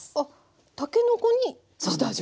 たけのこに下味を？